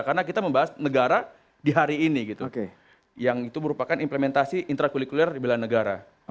karena kita membahas negara di hari ini yang itu merupakan implementasi intrakulikuler bela negara